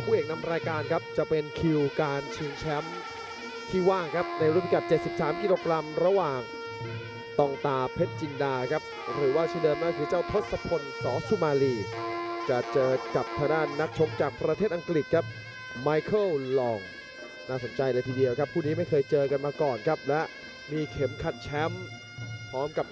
ผู้เอกนำรายการครับจะเป็นคิวการชิงแชมป์ที่ว่างครับในรุ่นพิกัด๗๓กิโลกรัมระหว่างตองตาเพชรจินดาครับหรือว่าชีวิตเดิมนั่นก็คือเจ้าทศพลสสุมารีจะเจอกับทหารนักชกจากประเทศอังกฤษครับไมค์เคิลลองน่าสนใจเลยทีเดียวครับผู้นี้ไม่เคยเจอกันมาก่อนครับและมีเข็มขัดแชมป์พร้อมกับ